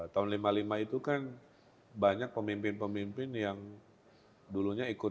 tahun lima puluh lima itu kan banyak pemimpin pemimpin yang dulunya ikut